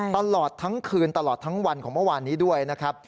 ตลอดทั้งคืนตลอดทั้งวันของเมื่อวานนี้ด้วยนะครับ